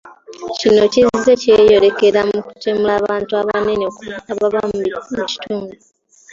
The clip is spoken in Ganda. kino kizze kyeyolekera mu kutemula abantu abanene abava mu kitundu.